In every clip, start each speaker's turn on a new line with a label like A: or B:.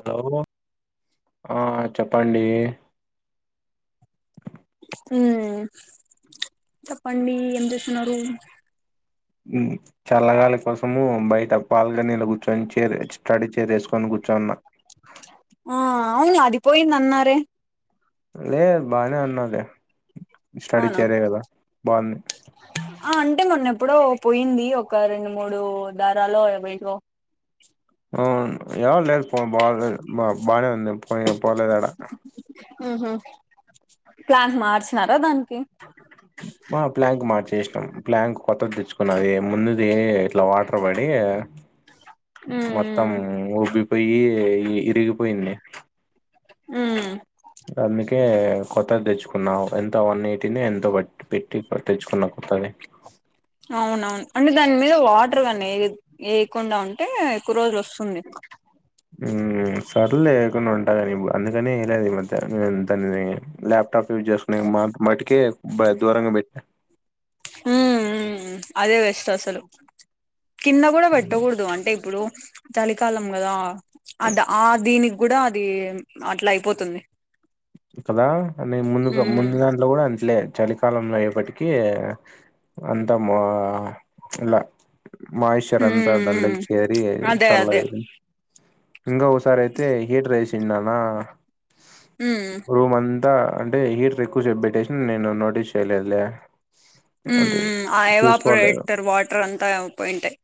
A: Hello ఆ చెప్పండి
B: మ్మ్ చెప్పండి ఏం చేస్తున్నారు
A: మ్మ్ చల్లగాలి కోసము బయట పాలుగ నీళ్ళు కూర్చొని చే స్టడీ చేరేసుకొని కూర్చొన్న
B: ఆ అవును అదిపోయిందన్నారే
A: లే బానే ఉన్నాది స్టడీ
B: అవునా
A: చేరే కదా బాగుంది
B: ఆ అంటే మొన్నేప్పుడో పోయింది ఒక రెండు మూడు దారలో అవి ఏంటివో
A: అవును యాల్లేదు పో బాలేదు బానే ఉంది పోలేదు యాడ
B: మ్మ్ హు ప్లాంక్ మార్చినారా దానికి
A: మా ప్లాంక్ మార్చేసినాం ప్లాంక్ కొత్తది తెచ్చుకున్నది ముందుది ఇట్లా వాటర్ పడి మొత్తం
B: ఉమ్
A: ఉబ్బిపోయి ఇరిగిపోయింది
B: మ్మ్
A: అందుకే కొత్తది తెచ్చుకున్నాము ఎంత వన్ ఎయిటీనే ఎంతో బట్ పెట్టి పట్టిచ్చుకున్నాం కొత్తది
B: అవునవును అంటే దాని మీద వాటర్గానీ ఏ వేయకుండా ఉంటే ఎక్కువ రోజులు వస్తుంది
A: మ్మ్ సర్ లేకుండా ఉంటా కాని అందుకని ఈ మధ్య దాని ల్యాప్టాప్ యూజ్ చేసుకు నేను మా మాటికే దూరంగా పెట్నా
B: మ్మ్ మ్మ్ అదే వెస్ట్ అసలు కింద కూడా
A: హ్మ్.
B: పెట్టకూడదు అంటే ఇప్పుడు చలికాలం కదా అద్ ఆ దీని కూడా అది అట్లా అయిపోతుంది
A: కదా అని ముందుగా
B: ఉమ్
A: ముందు దాంట్లో కూడా అట్లే చలికాలం అయ్యేపటికీ అంతా మా ఇలా మాయిశ్చర్ అంతా
B: ఉమ్
A: దాన్లేకి చేేరి
B: అదే
A: చల్లగా
B: అదే
A: అయిపోయింది ఇంగా ఒకసారయితే హీటర్ ఏసిన్నాన
B: ఉమ్
A: రూమంతా అంటే హీటర్ ఎక్కువ సేపు పెట్టేసిన నేను నోటీస్ చెయలేదులే
B: మ్మ్ మ్మ్ ఆ ఎవాపరేటర్ వాటర్ అంతా పోయింటాయి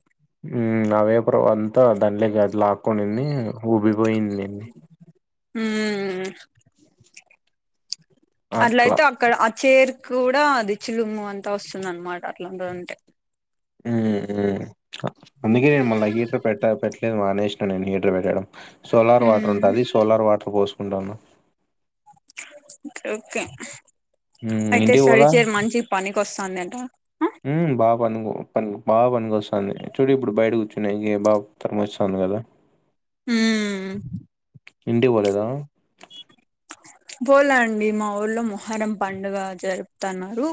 A: మ్మ్ ఆ వేపర్ అంత దాంట్లేకి అట్లా లాక్కొనింది ఉబ్బిపోయిన్నింది
B: మ్మ్
A: అట్లా.
B: అట్లయితే అక్కడ ఆ చేర్కి కూడా అది చిలుము అంతా వస్తుందనమాట అట్లాంత ఉంటే
A: మ్మ్ మ్మ్ అందుకే నేను మళ్ళా హీటర్ పెట్ట పెట్టలేదు మానేసినాను నేను హీటర్ పెట్టడం సోలార్ వాటర్
B: ఉమ్
A: ఉంటాది సోలార్ వాటర్ పోసుకుంటాను
B: ఓకే
A: హ్మ్.
B: అయితే
A: ఇంటికి
B: స్టడీ
A: పోలా
B: చైర్ మంచిగా పనికి వస్తుందాంటా
A: మ్మ్ బాగా పనుకో ప బా పనికోస్తాంది చూడు ఇప్పుడు బయట కూర్చునే ఇంక బాగాత్తరం వస్తంది కదా
B: మ్మ్
A: ఇంటికి పోలేదా
B: బోలా అండి మా ఊర్లో మొహరం పండుగ జరుపుతాన్నారు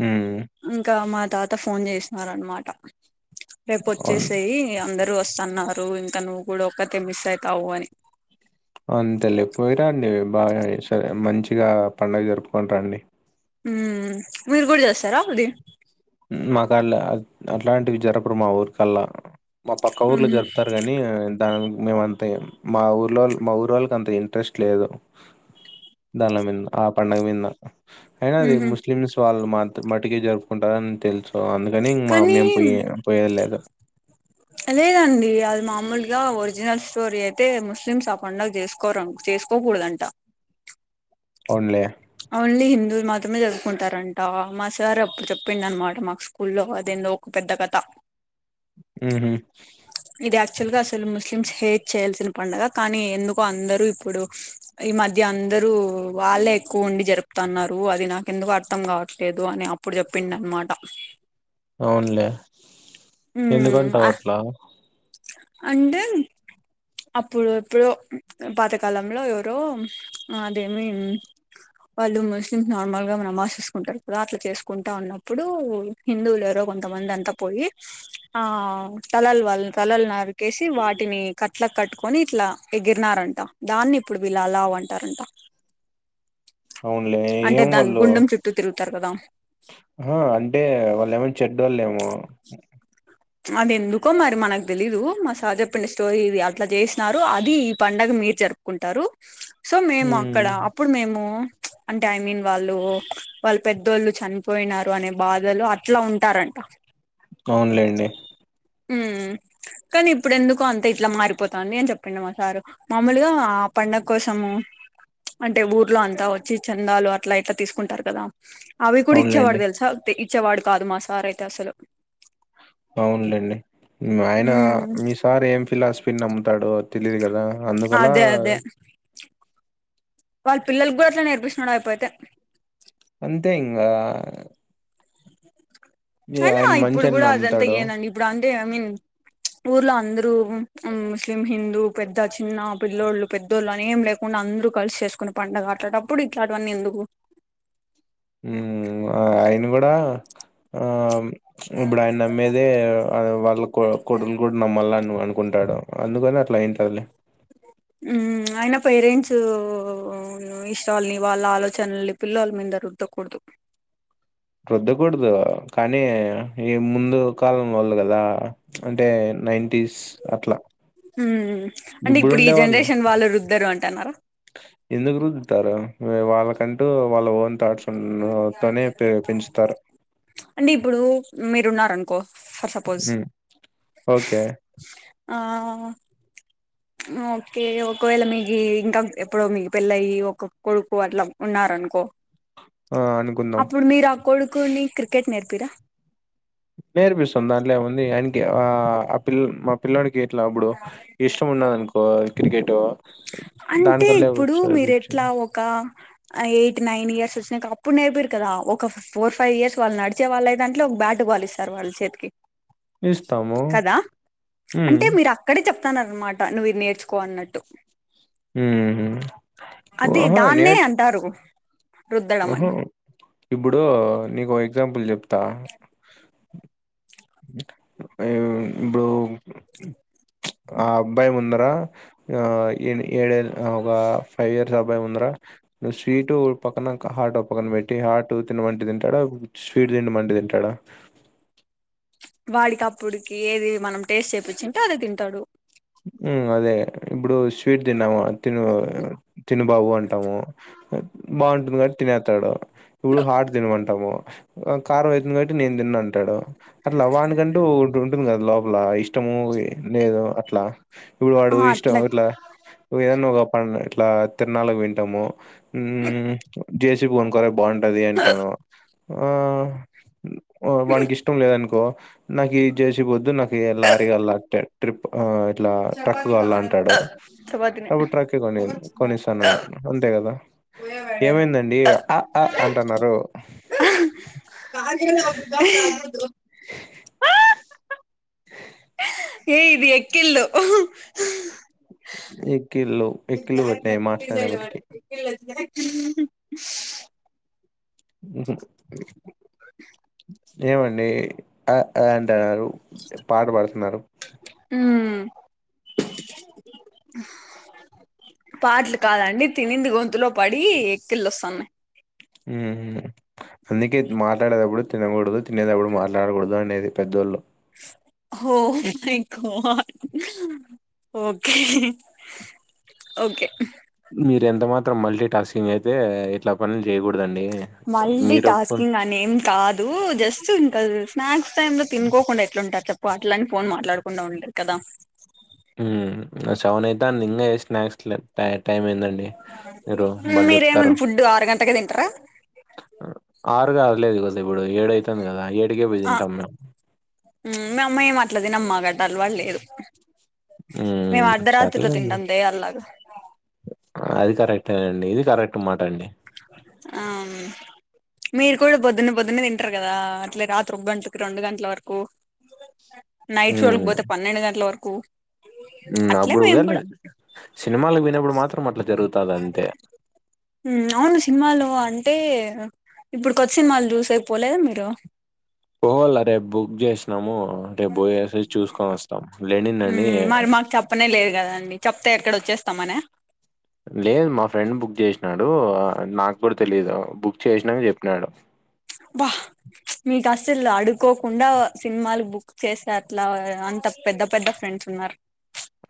A: మ్మ్
B: ఇంకా మా తాత ఫోన్ చేసినార అనమాట. రేపు
A: అన్
B: వచ్చేసేయి అందరుూ వస్తన్నారు ఇంకా నువ్వు కూడా ఒక్కతే మిస్ అయితావు అని.
A: అంతలే పోయిరండి బాగా సరే మంచిగా పండుగ జరుపుకొని రండి.
B: మ్మ్ మీరు కూడా చేస్తారా అది.
A: మక్కడ్లే అట్లాంటివి జరపరు మా ఊరికల్లా మా పక్క ఊర్లో
B: మ్మ్
A: జరుపుతారు. కానీ దా మేముంత మా ఊర్లో మా ఊరోల్లకి అంత ఇంట్రెస్ట్ లేదు. దాన్ల మీద ఆ పండగ మింద అయినా అది
B: మ్మ్
A: ముస్లిమ్స్ వాళ్ళు మాత్ర మట్టుకే జరుపుకుంటారని తెలుసు అందుక్ కానీ ఇం మా మేము పోయే పో పొయ్యేది లేదు.
B: అదేండి అది మామూలుగా ఒరిజినల్ స్టోరీ అయితే ముస్లిమ్స్ ఆ పండుగ చేసుకు. కోరం చేసుకోకూడదంట.
A: ఉన్లే.
B: ఓన్లీ హిందూ మాత్రమే చదువుకుంటారంట మా సార్ అప్పుడు చెప్పిండ అనమాట మాకు స్కూ. స్కూల్లో అదేందో ఒక పెద్ద కథ.
A: ఉహు.
B: ఇది యాక్చువల్ గా అసలు ముస్లిమ్స్ హేట్ చేయాల్సిన పడుగ కానీ ఎందుకో అందరు ఇప్పుడు. ఈ మధ్య అందరుూ వాళ్ళే ఏక్ ఎక్కువ ఉండి జరుపుతన్నారు అది నాకెందుకు అర్థం కావట్లేదు అని అప్పుడు చెప్పిండ అనమాట.
A: అవున్లే
B: మ్మ్
A: ఎందుకంట అవట్లా.
B: అంటే. అప్పుడు ఎప్పుడో పాతకాలంలో ఎవరో అదేమి. వాళ్ళు ముస్లింస్ నార్మల్ గా మనమాస్ చేసుకుంటారు కదా అట్లా చేసుకుంటా ఉన్నప్పుడు. హిందువులు ఎరో కొంతమంది అంతా పోయి ఆ తలల్ వాళ్ళ. తలలు నరికేసి వాటిని కట్లక్ కట్టుకొని ఇట్లా ఎగిరినారంట దాన్ని. ఇప్పుడు వీళ్ళు అలా వంటారంట.
A: అవునులే
B: అంటే
A: ఏం
B: దాని
A: వాళ్ళు
B: గుండెం చుట్టూ తిరుగుతారు కదా.
A: ఆ అంటే వాళ్ళు ఏమన్నా చెడ్డోలేమో
B: అది ఎందుకో మరి మనకు తెలీదు మా సార్ చెప్పిండు స్టోరీ ఇది అట్ల చేసినారు అది ఈ పండుగ మీర్జార్. కుంటారు సో మేము
A: మ్మ్.
B: అక్కడ అప్పుడు మేము అంటే ఐ మీన్ వాళ్ళు. వాళ్ళు పెద్దోళ్ళు చనిపోయినారు అనే బాధలో అట్ల ఉంటారంట.
A: అవున్లేండి.
B: ఉ కని ఇప్పుడెన్దుకో అంత ఇట్లా మారిపోతుంది అని చెప్పిండు మ సారు. మామూలుగా ఆ పండగ కోసము అంటే ఊర్లో అంతా వచ్చి చందాలు అట్లా ఇట్లా తీసుకుంటారు కదా. అవి కూడా
A: అవునులేండి
B: ఇచ్చేవాడు తెలుసా ఇచ్చేవాడు కాదు మా సార్ అయితే అసలు.
A: అవునులేండి ఆయన
B: ఉమ్
A: మీ సార్ ఏం ఫిలాసఫీని నమ్ముతాడో తెలియదు కదా. అందుకలా.
B: అదే అదే వాళ్ళ పిల్లలకు కూడా అట్లే నేర్పిస్తున్నాడు ఆయ్యప్పతే.
A: అంతే ఇంగా. ఇగ
B: అయినా
A: ఆయన
B: ఇప్పుడు
A: మంచని
B: గుడా అదంతా
A: నమ్ముతాడు
B: ఏందండి ఇప్పుడు అందే ఐ మీన్. ఊర్లో అందరు ఊ ముస్లిం హిందూ పెద్ద చిన్న పిల్లోళ్ళు పెద్దోళ్ళు అని ఏం లేవ్. కున్న అందరూ కలిసి చేసుకుని పండగ అట్లాంటప్పుడు ఇట్లాంటివన్నీ ఎందుకు.
A: ఉ ఆయన కూడా ఆ. ఇప్పుడు ఆయన నమ్మేదే వాళ్ళ కొ కొడులు కూడా నమ్మాల అని అనుకుంటాడు. అందుకనే అట్లా అయింటదిలే.
B: ఉ అయిన పెరెన్స్ ఉ [unintelligible] లని వాళ్ళ ఆలోచలు పిల్లల్ మీద రుద్దకూడదు
A: రుద్దకూడదు కానీ ఈ ముందు కాలం ఉంది కదా అంటే నైన్టీస్ అట్లా
B: ఉ అంటే ఇప్పుడు ఈ జనరేషన్ వాళ్ళు రుద్దరు అంటన్నారా
A: ఎందుకు రుద్దుతారు వాళ్ళకంటూ వాళ్ళ ఓన్ థాట్స్ తనే పెంచుతారు
B: అంటే ఇప్పుడు మీరు ఉన్నారానుకో ఫర్ సపోస్
A: ఉమ్, ఓకే
B: ఆ ఓకే ఒకవేళ మీకి ఇంక ఎప్పుడో మీకు పెళ్ళియ్యి ఒక కొడుకు అట్ల ఉన్నారానుకో
A: ఆ అనుకుందాం
B: అప్పుడు మీరు ఆ కొడుకుని క్రికెట్ నేర్పిరా
A: నేర్పిస్తుంది దాంట్ల ఏముంది ఆయన ఆ ఆ పిల్ మా పిల్లోడికి ఇట్ల అప్పుడు ఇష్టం ఉన్నదనుకో క్రికెట్ దాని
B: అంటే
A: కలే
B: ఇప్పుడు మీరు ఎట్లా
A: [unintelligible]
B: ఒక ఎయిట్ నైన్ ఇయర్స్ ఓచ్చినంక అప్పుడు నేర్పిరు కదా ఒక ఫోర్ ఫై ఇయర్స్ వాళ్ళు నడిచే వాళ్ళ లేదంట్ే ఒక బ్యాటుబాలిస్తారు వాళ్ళు చేతికి
A: ఇస్తాము.
B: కదా
A: హ్మ్.
B: అంటే మీరు అప్ ప్పుడే చెప్తాను అనమాట నువ్వు ఇది నేర్చుకో అన్నట్టు
A: హ్మ్.
B: అది
A: ఆహా!
B: దాన్నే అంటారు
A: ఉ
B: రుద్దడం
A: హు
B: అని
A: ఇప్పుడు నీకో ఎగ్జాంపుల్ చెప్తా ఇ బో ఆ అబ్బాయి ముందరా ఆ ఏ ఏడే ఒక ఫై ఇయర్స్ అబ్బాయి్ ముందడా నువ్వు స్వీటు పక్కనక హాట్ పక్కన పెట్టి హాట్ తిన్నమంటే తింటాడా స్వీట్ తిన్నమంటే తింటాడా
B: వాడికిప్పుడుకి ఏది మనం టేస్ట్ చేయిచ్చింటే అదే తింటాడు
A: ఉ అదే ఇప్పుడు స్వీట్ తిన్నాము తిన్ను తిన్ను బాబు అంటాము బాగుంటుంది కాబట్టి తిన్నెత్తాడు ఇప్పుడు హార్ట్ తిన్నమంటాము కారం అయితుంది కాబట్టి నేను తిన్నాను అంటాడు అట్లా వానికంటూ ఉంటుంది కదా లోపల ఇష్ట ఇష్టము లేదు అట్ల ఇప్పుడు
B: ఆ
A: వాడు ఇష్టం
B: అట్లా
A: అట్ల ఏదన్నా ఒక ప ఇట్ల తిన్నడానికి వింటాము ఊ జేసీపీ కొనుకోరే బాగుంట ది అంటాను ఆ వాకి ఇష్టం లేదనుకో నాకు ఈ జెసిపిపోద్దు నాకు లారీ గల్లాటే ట్రిప్ ఆ ఇట్ల ట్రక్ కావాలాంటాడు
B: చపాతినే
A: అప్పుడు ట్రక్ కొని కొనిస్తాను అంతే కదా ఏమైందండి అ అ అంటన్నారు
B: క గౌదు ఏ ఇది ఎక్కిళ్ళు
A: ఎక్కిలు ఎక్కిలు పెట్టినాయి మాట్లాడినప్పటికి ఉహు
B: అ చ్చి
A: ఏమండి ఆ ఆ అంటన్నారు పాట పాడుతున్నారు
B: ఊ పాటలు కాదండి తినింది గొంతులో పడి ఎక్కిళ్ళ వస్తన్నాయి
A: ఉహు అందుకే మాట్లాడేటప్పుడు తిన్నకూడదు తిన్నేటప్పుడు మాట్లాడకూడదు అనేది పెద్దోళ్ళు
B: oh my God okay. Okay.
A: మీర ఎంత మాత్రం మల్టీ టాస్కింగ్ అయితే ఇట్లా పనులు చేయకూడదండి.
B: మల్టీ
A: మీరు ఒప్పుకున్
B: టాస్కింగ్ అనేది కాదు. దూ జస్ట్ ఇంకా స్నాక్స్ టైమ్ లో తినుకోకుండా ఎట్లాంటారు చెప్పు అట్లాని ఫోన్ మాట్లాడకుండా ఉండలేదు కదా.
A: ఉ సెవెన్ అయితాంది ఇంగ ఏ స్నాక్స్ లే బ్యా టైం అయిదండి.
B: మీరేమన్నా ఫుడ్ ఆరు గంటలకే తింటర.
A: ఆరుగ అర్లేదు కదా ఇప్పుడు ఏడు అయితంది కదా ఎడ్కే బోయి తింటామ్
B: మ అమ్మ ఏం అట్లాది మా కట్ల అలవాటు లేదు. మేము
A: హ్మ్.
B: అర్ధరాత్రిలో
A: సర్లేండి.
B: తింటాం దెయ్యాలగ.
A: అది కరెక్టే అండి ఇది కరెక్ట్ మాట అండి.
B: అ అవున్ మీరు కూడా పొద్దున్నే పొద్దున్న తింటారు కదా అట్లే రాత్రి ఒక గంటకి రెండు గంటల వరకు.
A: కీ క్
B: నైట్ షోలకి పోతే పన్నెండు గంటల వరకు.
A: ఉ
B: అట్లే మేము
A: అప్పుడుఉగేలే
B: కూడా
A: సినిమాలకు పొయినప్పుడు మాత్రం అట్లా జరుగుతాది అంతే.
B: ఉ అవును సినిమాలు అంటే ఇప్పుడు కొత్త సినిమాలు చూసేకి పోలేదా మీరు.
A: పోవాలా రేపు బుక్ చేసినాము రేపు బోయేసి చూసుకొని వస్తాం లెనిన్ అని.
B: మ్మ్ మరి మాకు చెప్పనే లేదు కదండి చెప్తే ఎక్కడ వచ్చేస్తాంమనే.
A: లేదు మా ఫ్రెండ్ బుక్ చేసినాడు నాకు కూడా తెలీదు బుక్ చేసినంక చెప్పినాడు.
B: అబ్బా మీకు అసలు అడుకోకుండా సినిమాలు బుక్ చేసే అట్లా అంత పెద్ద పెద్ద ఫ్రెండ్స్ ఉన్నారు.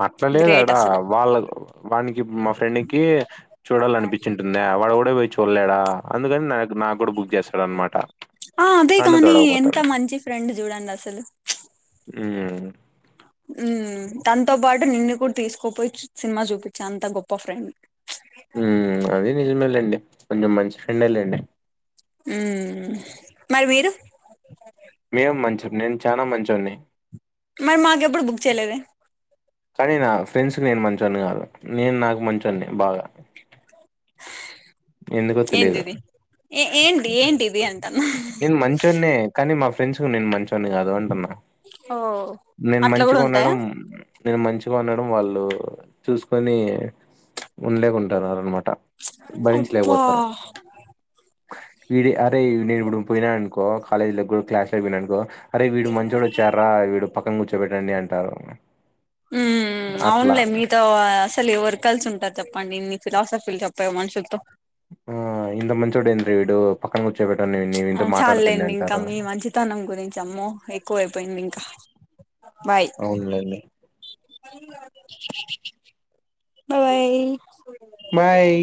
A: అట్లా
B: గ్రేట్
A: లేదాడా
B: అసలు
A: వాళ్ళకు వానికి మా ఫ్రెండ్కి చూడాల అనిపించింటు వాడు ఓగడే పోయి చూడలేదా అందుకని నాక్. నాకు కూడా బుక్ చేస్తాడు అనమాట
B: ఆ అదే
A: నన్ను
B: కాని ఎంత
A: తోడకపోతాడు.
B: మంచి ఫ్రెండ్ జూడంగా అసలు
A: ఉ
B: మ్మ్ తనతో పాటు నిన్ను కూడా తీసుకుపోయి సినిమా చూపించే అంత గొప్ప ఫ్రెండ్.
A: మ్మ్ అది నిజమే లేండి కొంచెం మంచి ఫ్రెండే లెండి.
B: మ్మ్ మరి మీరు.
A: నేను మంచోన్నే నేను చాలా మంచోన్ని.
B: మరి మాకు ఎప్పుడు బుక్ చేయలేదే.
A: కానీ నా ఫ్రెండ్స్ కి నేను మంచోన్ని కాదు నేను నాకు మంచోన్నే బాగా. ఎందుకో
B: ఏంది
A: తెలియదు
B: ఇది ఏ ఏంటి ఏంటిది అంటాన్నా.
A: నేను మంచోన్నే కానీ మా ఫ్రెండ్స్ కు నేను మంచొన్ని కాదు అంటున్నా.
B: ఓ
A: నేను
B: అట్లా
A: మంచిగ
B: కూడా ఉంటాయా
A: ఉండడం. నేను మంచిగా ఉండడం వాళ్ళు చూసుకొని ఉండలేకుంటారు అన్నమాట.
B: ఛీమ్ అబ్.
A: లేకపోతారు ఇడి అరే నేను ఇప్పుడు పోయినా అనుకో. కాలేజీలో కూడా క్లాస్ లో పోయిననుకో అరే వీడు మంచోడు వచ్చారా వీడు పక్కన కూర్చోబెట్టండి అంటారు.
B: మ్మ్
A: అట్లా
B: అవునులే మీతో అ అసలు ఎవరు కలిసి ఉంటారు చెప్పండి ఇన్ని ఫిలాసఫీలు చెప్పె మనుషులతో.
A: ఆ ఇంత మంచోడు ఏంట్రా వీడు పక్కన కూర్చో పెట్టండి నీ ఇంతో మాట్లాడొద్దండి అంటారు.
B: త్తానం గురించి అమ్మో ఎక్కువైపోయింది ఇంకా బాయ్
A: అవునులేండి
B: బాయ్ బాయ్
A: బాయ్